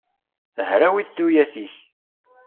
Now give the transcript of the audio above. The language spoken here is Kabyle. Hrawit tuyat-ik!